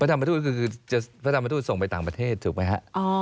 ธรรมทูตก็คือพระธรรมทูตส่งไปต่างประเทศถูกไหมฮะ